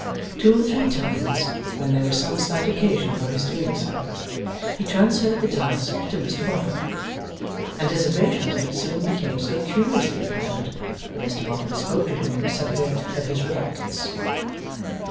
Two or three times, when there was some slight occasion for his doing so, he transferred the task to Mr Boffin; and his evasion of it soon became so curiously apparent, that Mr Boffin spoke to him on the subject of his reluctance.